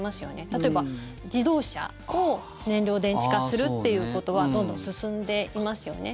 例えば、自動車を燃料電池化するということはどんどん進んでいますよね。